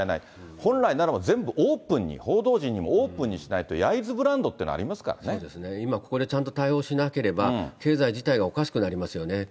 本来ならば、報道陣にオープンにしないと、焼津ブランドっていう今、ここでちゃんと対応しなければ、経済自体がおかしくなりますよね。